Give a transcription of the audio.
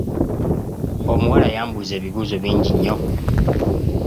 Omuwala yambuuza ebibuuzo bingi nnyo.